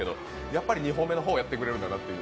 やっぱり２本目の方をやってくれるかなって。